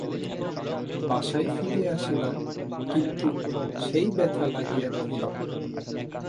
বাসায় ফিরিয়া আসিলাম কিন্তু সেই ব্যথা লাগিয়া রহিল।